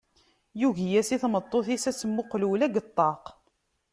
Yugi-yas i tmeṭṭut-is ad tmuqel ula deg ṭṭaq.